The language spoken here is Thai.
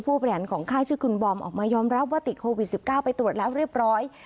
บริหารของค่ายชื่อคุณบอมออกมายอมรับว่าติดโควิด๑๙ไปตรวจแล้วเรียบร้อย